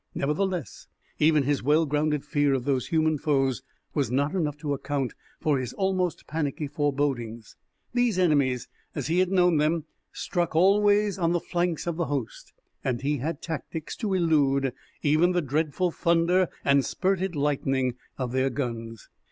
Nevertheless, even his well grounded fear of those human foes was not enough to account for his almost panicky forebodings. These enemies, as he had known them, struck always on the flanks of the host; and he had tactics to elude even the dreadful thunder and spurted lightning of their guns.